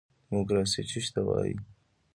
دیموکراسي څه ته وایي؟